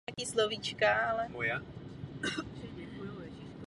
Jeho díla lze charakterizovat jako oslavu socialismu.